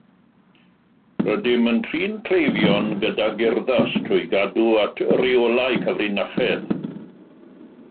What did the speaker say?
Rydym yn trin cleifion gydag urddas trwy gadw at reolau cyfrinachedd